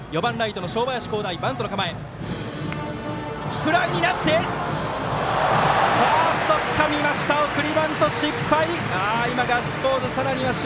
フライになってファーストつかみました送りバント失敗。